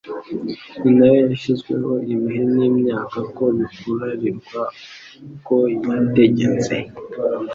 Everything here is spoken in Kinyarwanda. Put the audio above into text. Ni nayo yashyizeho ibihe n'imyaka ko bikurariwa uko yategetse ...